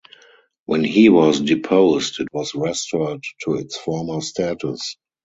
When he was deposed, it was restored to its former status.